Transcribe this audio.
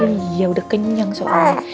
iya udah kenyang soalnya